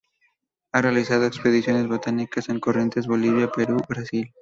Ha realizado expediciones botánicas en Corrientes, Bolivia, Perú, Brasil.